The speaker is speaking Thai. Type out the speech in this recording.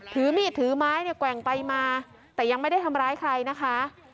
ถือมีดถือไม้เนี่ยแกว่งไปมาแต่ยังไม่ได้ทำร้ายใครนะคะ